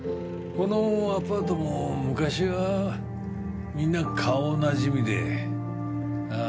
このアパートも昔はみんな顔なじみであ